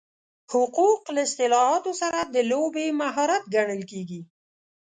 حقوق له اصطلاحاتو سره د لوبې مهارت ګڼل کېږي.